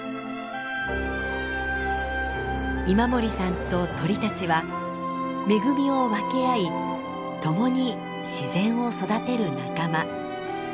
今森さんと鳥たちは恵みを分け合い共に自然を育てる仲間。